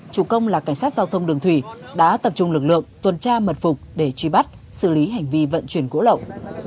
chủ công là cảnh sát giao thông đường thủy đã tập trung lực lượng tuần tra mật phục để truy bắt xử lý hành vi vận chuyển gỗ lậu